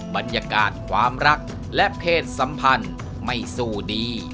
บรรยากาศความรักและเพศสัมพันธ์ไม่สู้ดี